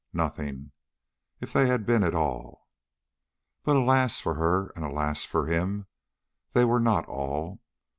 Nothing, if they had been all. But alas for her, and alas for him they were not all!